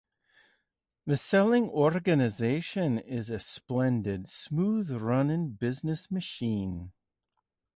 The selling organization is a splendid, smooth-running business machine.